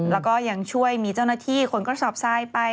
แล้วก็ยังช่วยมีเจ้าหน้าที่ขนกระสอบทรายไป